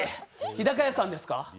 日高屋さんですか？